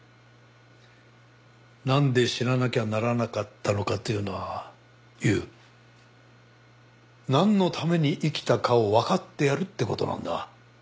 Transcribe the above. なんで死ななきゃならなかったのかというのは悠なんのために生きたかをわかってやるって事なんだ。